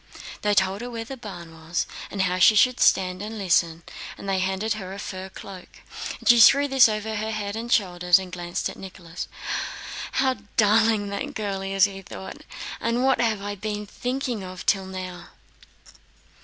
They told her where the barn was and how she should stand and listen, and they handed her a fur cloak. She threw this over her head and shoulders and glanced at Nicholas. "What a darling that girl is!" thought he. "And what have I been thinking of till now?"